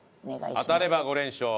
当たれば５連勝。